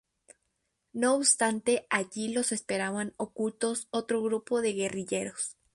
No obstante allí los esperaban ocultos otro grupo de guerrilleros.